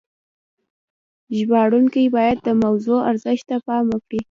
ژباړونکي باید د موضوع ارزښت ته پام وکړي.